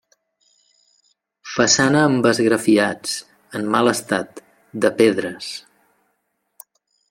Façana amb esgrafiats, en mal estat, de pedres.